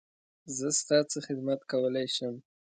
زه ستا څه خدمت کولی شم؟